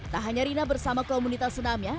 tak hanya rina bersama komunitas senamnya